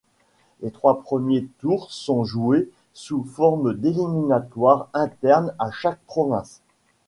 Les trois premiers tours sont joués sous forme d'éliminatoires interne à chaque province.